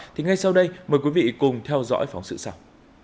thì ngay sau đây mời quý vị cùng theo dõi phóng sự sau